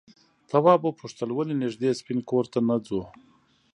تواب وپوښتل ولې نږدې سپین کور ته نه ځو؟